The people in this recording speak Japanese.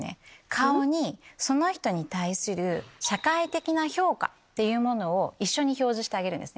顔にその人に対する社会的な評価っていうものを一緒に表示してあげるんです。